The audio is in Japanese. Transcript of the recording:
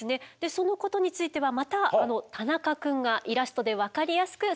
そのことについてはまた田中くんがイラストで分かりやすく説明してくれます。